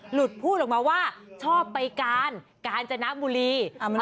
หลุดพูดลงมาว่าชอบไปการการจะหน้าบุรี